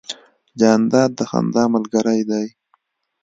جانداد د خندا ملګری دی.